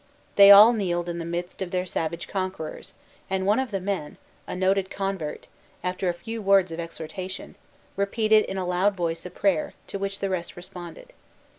They all kneeled in the midst of their savage conquerors, and one of the men, a noted convert, after a few words of exhortation, repeated in a loud voice a prayer, to which the rest responded.